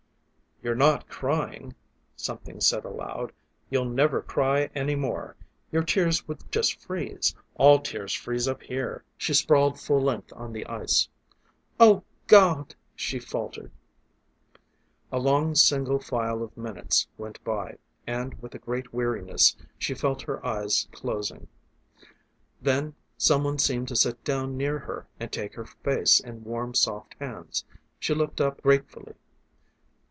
"You're not crying," something said aloud. "You'll never cry any more. Your tears would just freeze; all tears freeze up here!" She sprawled full length on the ice. "Oh, God!" she faltered. A long single file of minutes went by, and with a great weariness she felt her eyes dosing. Then some one seemed to sit down near her and take her face in warm, soft hands. She looked up gratefully.